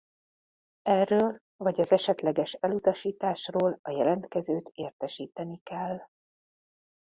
Erről vagy az esetleges elutasításról a jelentkezőt értesíteni kell.